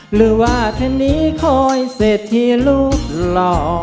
หรือว่าเธอนี้คอยเสร็จที่รูปหล่อ